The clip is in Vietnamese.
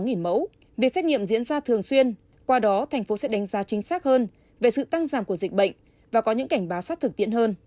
nghỉ mẫu việc xét nghiệm diễn ra thường xuyên qua đó thành phố sẽ đánh giá chính xác hơn về sự tăng giảm của dịch bệnh và có những cảnh báo sát thực tiễn hơn